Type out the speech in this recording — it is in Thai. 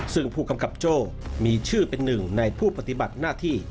ซึ่งผู้กำกับโจ้มีชื่อเป็นหนึ่งในผู้ปฏิบัติหน้าที่